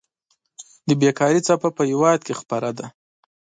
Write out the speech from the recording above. د بيکاري څپه په هېواد خوره ده.